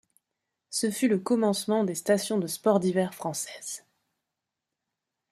Ce fut le commencement des stations de sports d’hiver françaises.